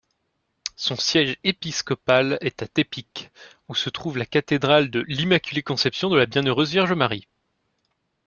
Son siège épiscopal est à Tepic, où se trouve la cathédrale de l'Immaculée-Conception-de-la-Bienheureuse-Vierge-Marie.